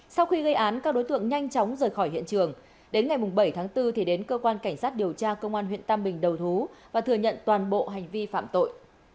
sau khi gây án các đối tượng nhanh chóng rời khỏi hiện trường đến ngày bảy tháng bốn thì đến cơ quan cảnh sát điều tra công an huyện tam bình đầu thú và thừa nhận toàn bộ hành vi phạm tội